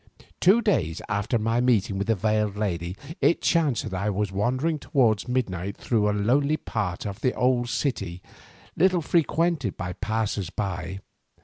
Two days after my meeting with the veiled lady it chanced that I was wandering towards midnight through a lonely part of the old city little frequented by passers by.